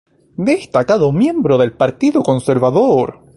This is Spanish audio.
Destacado miembro del Partido Conservador.